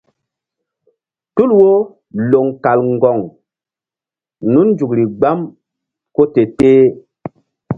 Tul wo loŋ kal ŋgoŋ nun nzukri gbam ko te-teh.